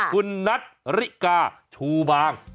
คุณนัทริกาชูบาง